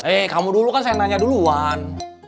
eh kamu dulu kan saya nanya duluan